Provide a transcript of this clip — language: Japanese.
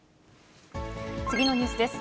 次のニュースです。